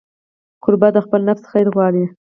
کوربه د خپل نفس خیر غواړي.